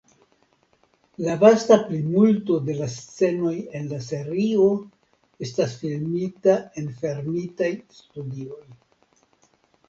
La vasta plimulto de la scenoj en la serio estas filmita en fermitaj studioj.